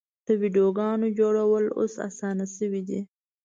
د ویډیوګانو جوړول اوس اسانه شوي دي.